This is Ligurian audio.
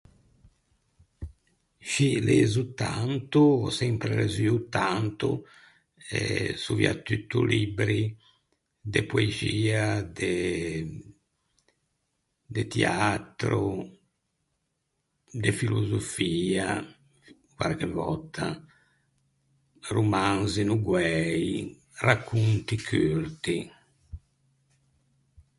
Scì, lezo tanto, ò sempre lezzuo tanto. Eh soviatutto libbri de poexia, de de tiatro, de filosofia, quarche vòtta, romansi no guæi, racconti curti.